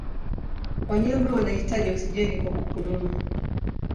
Wanyama wanahitaji oksijeni kwa kupumua.